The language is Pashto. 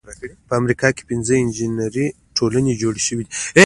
په امریکا کې پنځه د انجینری ټولنې جوړې شوې.